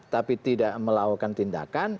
tapi tidak melakukan tindakan